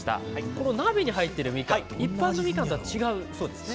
この鍋に入ってるみかん一般のみかんとは違うそうですね。